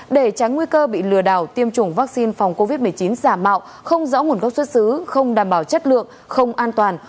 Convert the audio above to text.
để tránh nguy cơ bị lừa đảo tiêm chủng vaccine phòng covid một mươi chín giả mạo không rõ nguồn gốc xuất xứ không đảm bảo chất lượng không an toàn